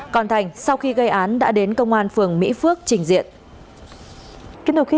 còn thành sau khi gây án đã đến công an phường mỹ phước trình diện